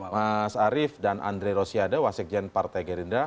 mas arief dan andre rosiade wasikjen partai gerinda